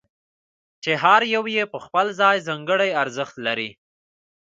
چې هر یو یې په خپل ځای ځانګړی ارزښت لري.